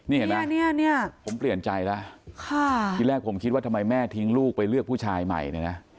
นี่เห็นไหมเนี่ยผมเปลี่ยนใจแล้วที่แรกผมคิดว่าทำไมแม่ทิ้งลูกไปเลือกผู้ชายใหม่เนี่ยนะ